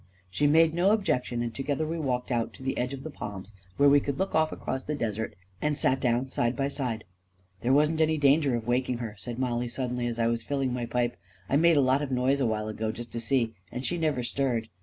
She made no objection, and together we walked out to the edge of the palms, where we could look off across the desert, and sat down side by side. " There wasn't any danger of waking her," said Mollie, suddenly, as I was filling my pipe. " I made a lot of noise awhile ago, just to see, and she never stirred.